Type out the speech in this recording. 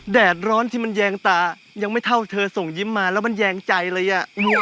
แดดร้อนที่มันแยงตายังไม่เท่าเธอส่งยิ้มมาแล้วมันแยงใจเลยอ่ะ